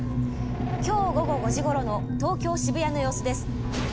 今日午後５時ごろの東京・渋谷の様子です。